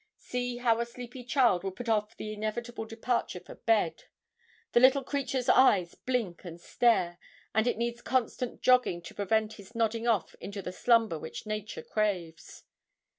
See how a sleepy child will put off the inevitable departure for bed. The little creature's eyes blink and stare, and it needs constant jogging to prevent his nodding off into the slumber which nature craves.